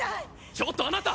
ちょっとあなた！